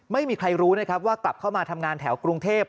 ไม่มีใครรู้นะครับว่ากลับเข้ามาทำงานแถวกรุงเทพ